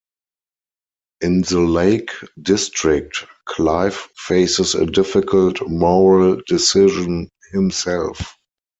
In the Lake District, Clive faces a difficult moral decision himself.